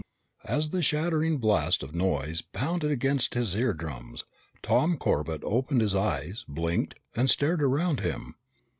As the shattering blast of noise pounded against his eardrums, Tom Corbett opened his eyes, blinked, and stared around him.